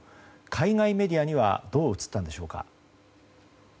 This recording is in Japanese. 海外メディアにはどう映ったんでしょうか？